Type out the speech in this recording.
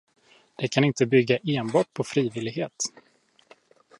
Det kan inte bygga enbart på frivillighet.